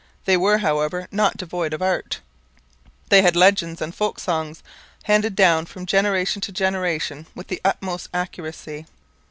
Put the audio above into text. They were, however, not devoid of art. They had legends and folk songs, handed down from generation to generation with the utmost accuracy.